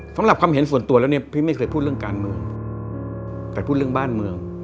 สำหรับความเห็นส่วนตัวแล้วเนี่ยพี่ไม่เคยพูดเรื่องการเมืองแต่พูดเรื่องบ้านเมือง